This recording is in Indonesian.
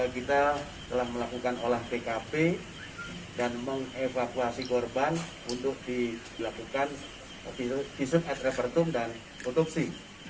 kita telah melakukan olah tkp dan mengevakuasi korban untuk dilakukan visum es repertum dan otopsi